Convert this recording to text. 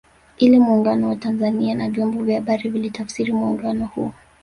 Ili Muungano wa Tanzania na vyombo vya habari vilitafsiri muungano huo